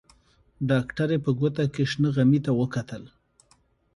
ډاکټرې په ګوته کې شنه غمي ته وکتل.